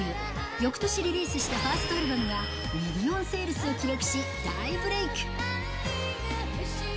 よくとしリリースしたファーストアルバムがミリオンセールスを記録し、大ブレイク。